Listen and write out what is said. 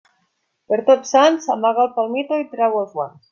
Per Tots Sants, amaga el palmito i trau els guants.